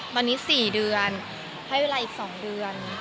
ตอนนี้๔เดือนให้เวลาอีก๒เดือน